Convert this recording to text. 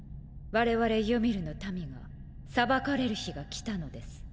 我々ユミルの民が裁かれる日が来たのです。